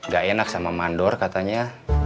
gak enak sama mandor katanya